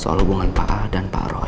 soal hubungan pak a dan pak roy